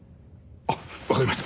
あっわかりました。